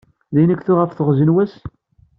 Din i k-tuɣ ɣef teɣzi n wass?